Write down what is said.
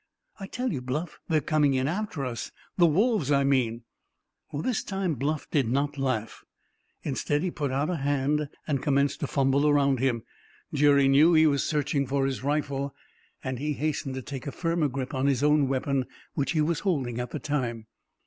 I tell you, Bluff, they're coming in after us—the wolves, I mean!" This time Bluff did not laugh. Instead, he put out a hand and commenced to fumble around him. Jerry knew he was searching for his rifle, and he hastened to take a firmer grip on his own weapon, which he was holding at the time.